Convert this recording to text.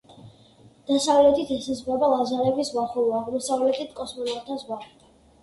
დასავლეთით ესაზღვრება ლაზარევის ზღვა, ხოლო აღმოსავლეთით კოსმონავტთა ზღვა.